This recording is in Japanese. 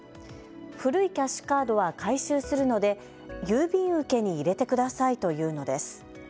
古いキャッシュカードは回収するので、郵便受けに入れてくださいというのです。